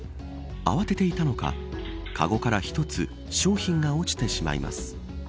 慌てていたのかかごから一つ商品が落ちてしまいます。